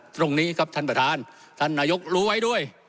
ตรงนี้ครับท่านประธานท่านนายกรู้ไว้ด้วย